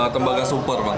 tembaga super bang